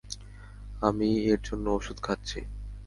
আমি এর জন্য ঔষধ খাচ্ছি।